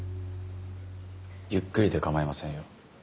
ゆっくりで構いませんよ。